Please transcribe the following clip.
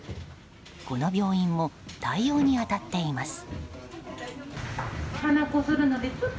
この病院も対応に当たっています。